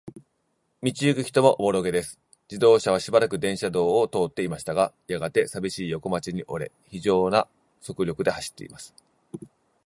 道ゆく人もおぼろげです。自動車はしばらく電車道を通っていましたが、やがて、さびしい横町に折れ、ひじょうな速力で走っています。